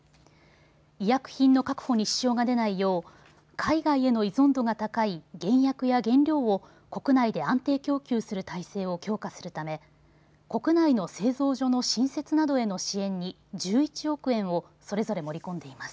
医薬品の確保に支障が出ないよう海外への依存度が高い原薬や原料を国内で安定供給する体制を強化するため国内の製造所の新設などへの支援に１１億円をそれぞれ盛り込んでいます。